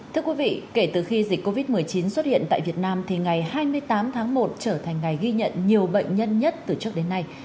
thưa quý vị kể từ khi dịch covid một mươi chín xuất hiện tại việt nam thì ngày hai mươi tám tháng một trở thành ngày ghi nhận nhiều bệnh nhân nhất từ trước đến nay